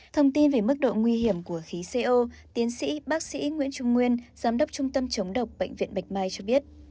thông tin về mức độ nguy hiểm của khí co tiến sĩ bác sĩ nguyễn trung nguyên giám đốc trung tâm chống độc bệnh viện bạch mai cho biết